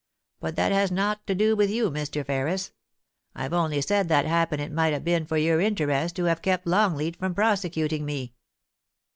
But that has nowt to do with you, Mr. Ferris. I've only said that happen it might ha' been for your interest to have kept Longleat from prosecuting me.'